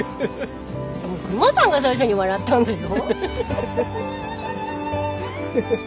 クマさんが最初に笑ったんだよ。